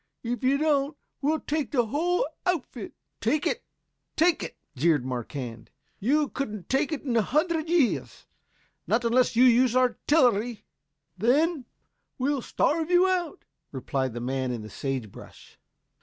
If you don't we'll take the whole outfit." "Take it, take it!" jeered Marquand. "You couldn't take it in a hundred years not unless you used artillery." "Then we'll starve you out," replied the man in the sage brush.